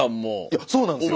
いやそうなんですよ。